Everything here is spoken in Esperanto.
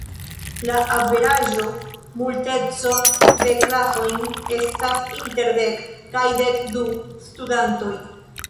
La averaĝo multeco de klasojn estas inter dek kaj dek du studantoj.